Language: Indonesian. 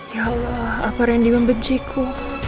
ya allah apa randy membenciku